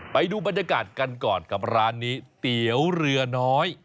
ไปดูบรรยากาศกันก่อนกับร้านนี้เตี๋ยวเรือน้อย